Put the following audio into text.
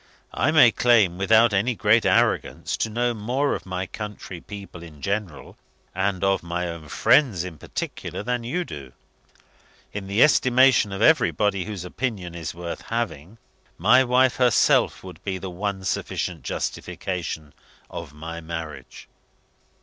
"I may claim, without any great arrogance, to know more of my country people in general, and of my own friends in particular, than you do. In the estimation of everybody whose opinion is worth having, my wife herself would be the one sufficient justification of my marriage.